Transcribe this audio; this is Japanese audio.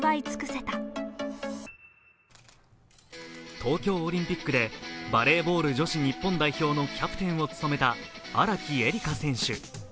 東京オリンピックでバレーボール女子日本代表のキャプテンを務めた荒木絵里香選手。